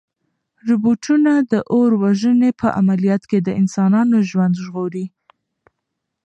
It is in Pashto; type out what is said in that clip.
روبوټونه د اور وژنې په عملیاتو کې د انسانانو ژوند ژغوري.